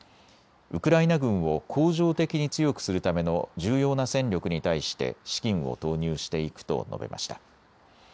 ウクライナ軍を恒常的に強くするための重要な戦力に対して資金を投入していくと述べました。